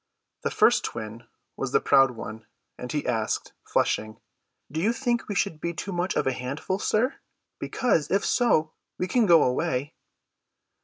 The first twin was the proud one, and he asked, flushing, "Do you think we should be too much of a handful, sir? Because, if so, we can go away."